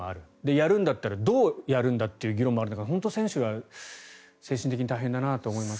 やるんだったらどうやるんだという議論もある中本当に選手が精神的に大変だなと思います。